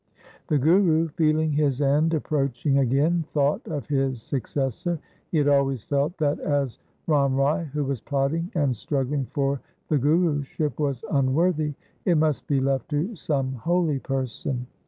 The Guru feeling his end approaching again thought of his successor. He had always felt that as Ram Rai, who was plotting and struggling for the Guruship, was unworthy, it must be left to some holy person.